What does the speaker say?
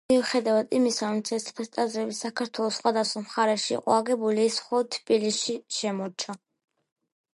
მიუხედავად იმისა, რომ „ცეცხლის ტაძრები“ საქართველოს სხვადასხვა მხარეში იყო აგებული, ის მხოლოდ თბილისში შემორჩა.